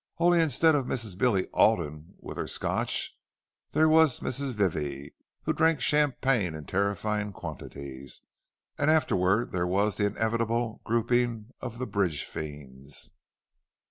Only, instead of Mrs. Billy Alden with her Scotch, there was Mrs. Vivie, who drank champagne in terrifying quantities; and afterward there was the inevitable grouping of the bridge fiends.